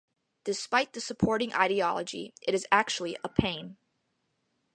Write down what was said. Despite the supporting ideology, it is actually a pain.